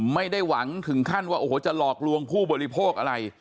ไม่ได้หวังถึงขั้นว่าโอ้โหจะหลอกลวงผู้บริโภคอะไร